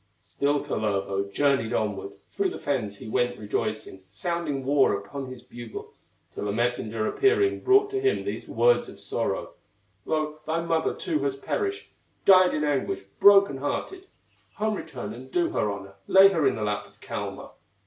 Still Kullervo journeyed onward, Through the fens he went rejoicing, Sounding war upon his bugle, Till a messenger appearing Brought to him these words of sorrow: "Lo! thy mother too has perished, Died in anguish, broken hearted; Home return and do her honor, Lay her in the lap of Kalma."